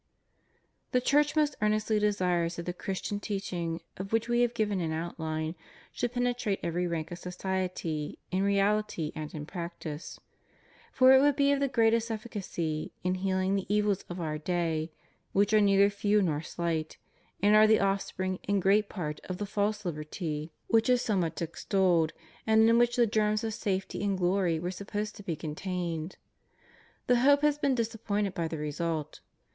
The Church most earnestly desires that the Christian teaching, of which We have given an outline, should penetrate every rank of society in reality and in practice; for it would be of the greatest efficacy in healing the evils of our day, which are neither few nor slight, and are the offspring in great part of the false liberty which is so much HUMAN LIBERTY. 157 extolled, and in which the germs of safety and glory were supposed to be contained. The hope has been disappointed by the result.